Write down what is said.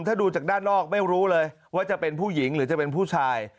ถ้าดูจากด้านนอกไม่รู้เลยว่าจะเป็นผู้หญิงหรือจะเป็นผู้ชาย